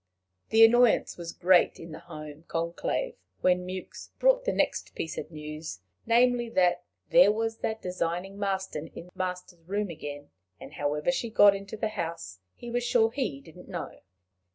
The annoyance was great in the home conclave when Mewks brought the next piece of news namely, that there was that designing Marston in the master's room again, and however she got into the house he was sure he didn't know.